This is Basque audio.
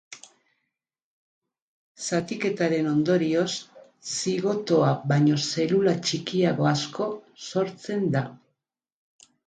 Zatiketaren ondorioz, zigotoa baino zelula txikiago asko sortzen da.